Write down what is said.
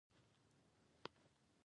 زړونه د یو بل غږ احساسوي.